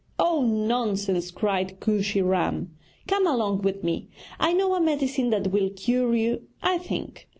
'Oh, nonsense!' cried Kooshy Ram. 'Come along with me, I know a medicine that will cure you, I think.'